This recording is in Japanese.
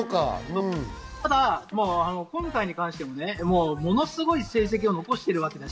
ただ今回に関してもものすごい成績を残しています。